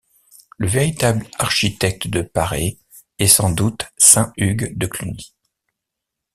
Le véritable architecte de Paray est sans doute Saint Hugues de Cluny.